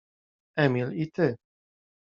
Emil i ty.